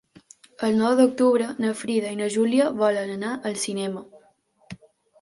El nou d'octubre na Frida i na Júlia volen anar al cinema.